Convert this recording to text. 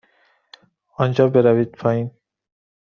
آنجا بروید پایین.